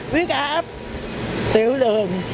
viết áp tiểu đường